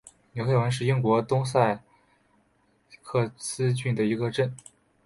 纽黑文是英国东萨塞克斯郡的一个镇。